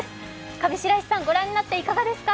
上白石さん、ご覧になっていかがですか。